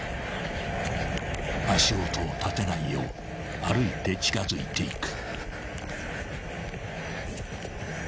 ［足音を立てないよう歩いて近づいていく］